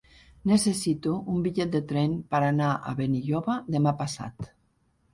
Necessito un bitllet de tren per anar a Benilloba demà passat.